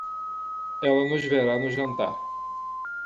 Ela nos verá no jantar.